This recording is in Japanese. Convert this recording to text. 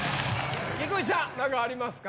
菊地さん何かありますか？